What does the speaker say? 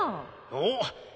おっ！